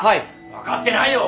分かってないよ！